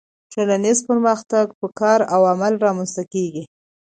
ټولنیز پرمختګ په کار او عمل رامنځته کیږي